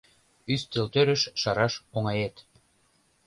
Ӱстелтӧрыш шараш оҥает.